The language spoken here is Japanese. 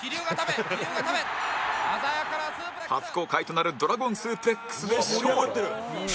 初公開となるドラゴン・スープレックスで勝利